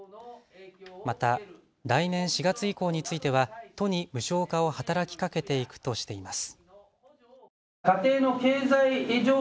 また来年４月以降については都に無償化を働きかけていくとしています。